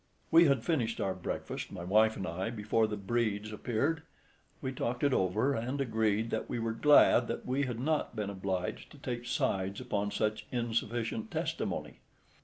We had finished our breakfast, my wife and I, before the Bredes appeared. We talked it over, and agreed that we were glad that we had not been obliged to take sides upon such insufficient testimony.